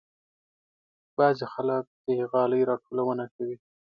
بعضې خلک د غالۍ راټولونه کوي.